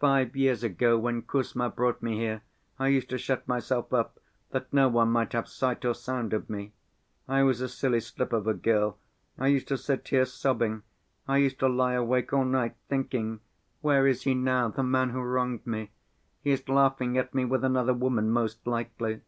Five years ago, when Kuzma brought me here, I used to shut myself up, that no one might have sight or sound of me. I was a silly slip of a girl; I used to sit here sobbing; I used to lie awake all night, thinking: 'Where is he now, the man who wronged me? He is laughing at me with another woman, most likely.